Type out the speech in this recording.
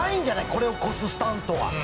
これを超すスタントは。